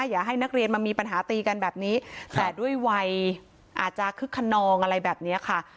อย่าให้นักเรียนมามีปัญหาตีกันแบบนี้แต่ด้วยวัยอาจจะคึกขนองอะไรแบบนี้ค่ะ